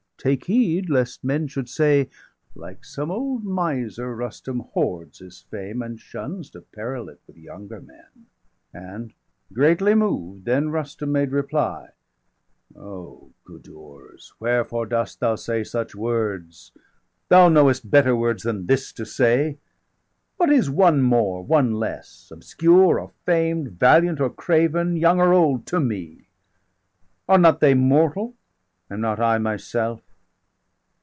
Take heed lest men should say: _Like some old miser, Rustum hoards his fame, And shuns to peril it with younger men."_° °248 And, greatly moved, then Rustum made reply: "O Gudurz, wherefore dost thou say such words? 250 Thou knowest better words than this to say. What is one more, one less, obscure or famed, Valiant or craven, young or old, to me? Are not they mortal, am not I myself?